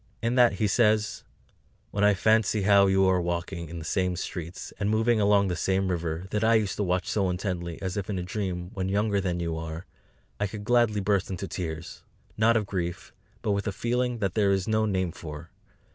In that he says: "When I fancy how you are walking in the same streets, and moving along the same river, that I used to watch so intently, as if in a dream, when younger than you are I could gladly burst into tears, not of grief, but with a feeling that there is no name for.